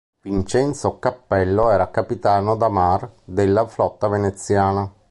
Vincenzo Cappello era capitano da mar della flotta veneziana.